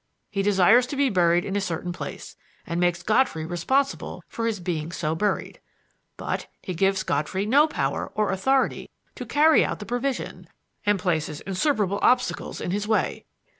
He desires to be buried in a certain place and makes Godfrey responsible for his being so buried. But he gives Godfrey no power or authority to carry out the provision, and places insuperable obstacles in his way.